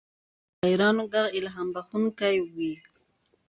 د شاعرانو ږغ الهام بښونکی وي.